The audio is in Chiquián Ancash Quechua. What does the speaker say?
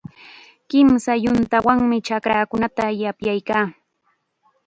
Kimsa yuntawanmi chakraakunata yapyayaa.